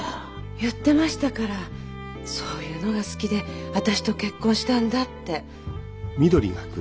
言ってましたからそういうのが好きで私と結婚したんだって。